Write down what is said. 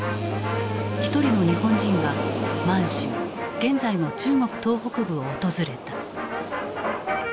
一人の日本人が満州現在の中国東北部を訪れた。